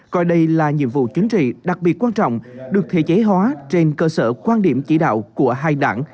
coi đây là nhiệm vụ chính trị đặc biệt quan trọng được thể chế hóa trên cơ sở quan điểm chỉ đạo của hai đảng